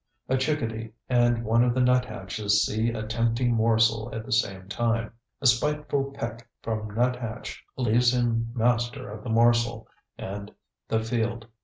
A chickadee and one of the nuthatches see a tempting morsel at the same time. A spiteful peck from nuthatch leaves him master of the morsel and the field.